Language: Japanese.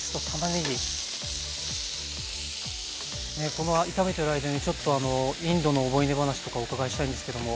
この炒めている間にちょっとインドの思い出話とかをお伺いしたいんですけども。